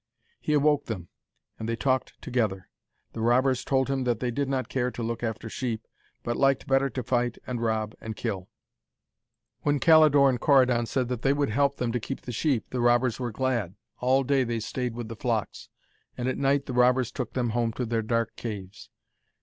He awoke them, and they talked together. The robbers told him that they did not care to look after sheep, but liked better to fight and rob and kill. When Calidore and Corydon said that they would help them to keep the sheep, the robbers were glad. All day they stayed with the flocks, and at night the robbers took them home to their dark caves.